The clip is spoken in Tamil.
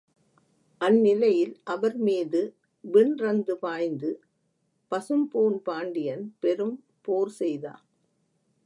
அந்நிலையில் அவர் மீது வின்ரந்து பாய்ந்து பசும்பூண் பாண்டியன் பெரும் போர் செய்தான்.